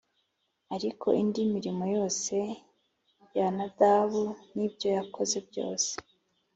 Ariko indi mirimo yose ya Nadabu n’ibyo yakoze byose